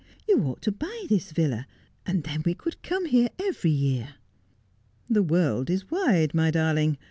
' You ought to buy this villa, and then we could come here every year.' ' The world is wide, my darling.